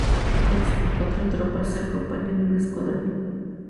Dos a cuatro tropas se agrupan en un escuadrón.